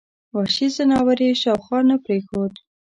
وحشي ځناور یې شاوخوا نه پرېښود.